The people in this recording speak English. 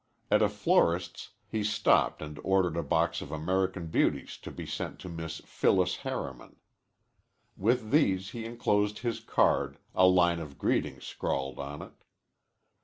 At a florist's he stopped and ordered a box of American Beauties to be sent to Miss Phyllis Harriman. With these he enclosed his card, a line of greeting scrawled on it.